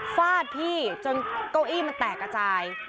ฟาดพี่จนเก้าอี้มันแตกกระจาย